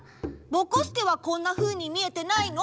ぼこすけはこんなふうに見えてないの？